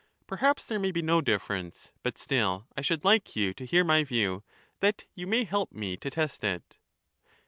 Perhaps there may be no difference ; but still I should like you to hear my view, that you may help me to test it.